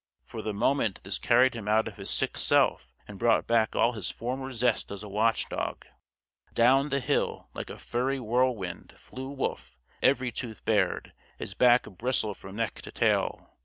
For the moment this carried him out of his sick self and brought back all his former zest as a watch dog. Down the hill, like a furry whirlwind, flew Wolf, every tooth bared, his back a bristle from neck to tail.